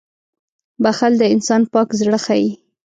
• بښل د انسان پاک زړه ښيي.